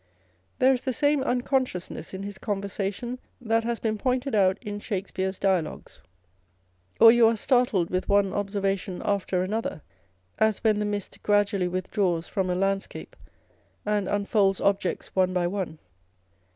There is the same uncon sciousness in his conversation that has been pointed out in Shakespear's dialogues ; or you are startled with one observation after another, as when the mist gradually withdraws from a landscape and unfolds objects one by one.